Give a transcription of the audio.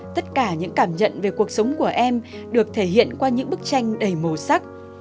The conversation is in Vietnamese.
tất cả những cảm nhận về cuộc sống của em được thể hiện qua những bức tranh đầy màu sắc